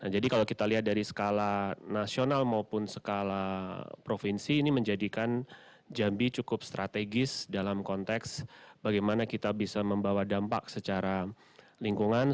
jadi kalau kita lihat dari skala nasional maupun skala provinsi ini menjadikan jambi cukup strategis dalam konteks bagaimana kita bisa membawa dampak secara lingkungan